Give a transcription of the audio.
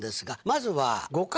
まずは。